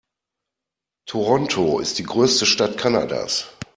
Toronto ist die größte Stadt Kanadas.